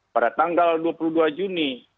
pada tanggal dua puluh dua juni